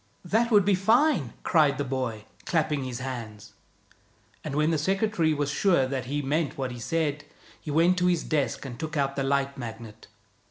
"That would be fine!" cried the boy, clapping his hands; and when the secretary was sure that he meant what he said, he went to his desk and took out the Light Magnet.